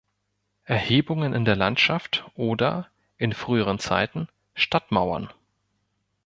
Erhebungen in der Landschaft oder, in früheren Zeiten, Stadtmauern.